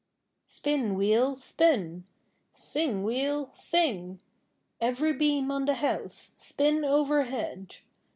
Spin, wheel, spin; sing, wheel, sing; Every beam on the house, spin overhead.